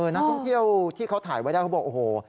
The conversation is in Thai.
นักท่องเที่ยวที่เขาถ่ายไว้ได้เขาบอกโอ้โห